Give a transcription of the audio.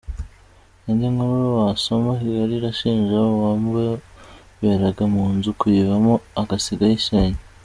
Indi nkuru wasoma: Kigali: Arashinja uwamuberaga mu nzu kuyivamo agasiga ayishenye.